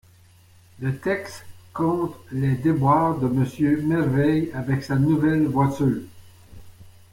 Le texte conte les déboires de Monsieur Merveille avec sa nouvelle voiture.